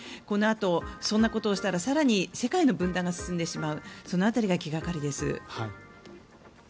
このあとそんなことをしたら更に世界の分断が進んでしまうその辺りが気掛かりです。